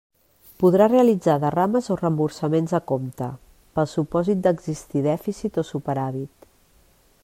Podrà realitzar derrames o reembossaments a compte, pel supòsit d'existir dèficit o superàvit.